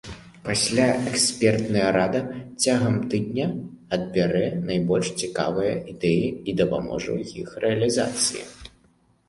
Пасля экспертная рада цягам тыдня адбярэ найбольш цікавыя ідэі і дапаможа ў іх рэалізацыі.